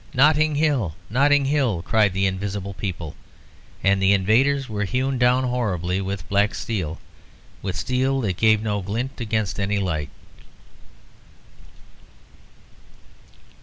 "Notting Hill! Notting Hill!" cried the invisible people, and the invaders were hewn down horribly with black steel, with steel that gave no glint against any light.